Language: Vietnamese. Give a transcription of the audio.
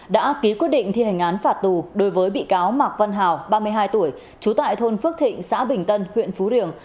đã ký quyết định thi hành án phạt tù đối với bị cáo mạc văn hào ba mươi hai tuổi trú tại thôn phước thịnh xã bình tân huyện phú riềng